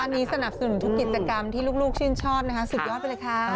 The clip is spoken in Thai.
อันนี้สนับสนุนทุกกิจกรรมที่ลูกชื่นชอบนะคะสุดยอดไปเลยค่ะ